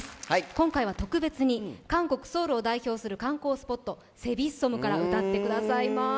今回は特別に韓国ソウルを代表する観光スポット、セビッソムから歌ってくださいます。